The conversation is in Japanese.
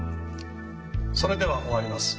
それでは終わります。